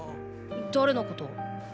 誰のこと？